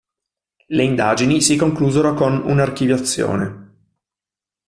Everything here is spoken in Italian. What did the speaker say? Le indagini si conclusero con un'archiviazione.